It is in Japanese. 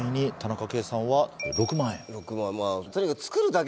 ６万円。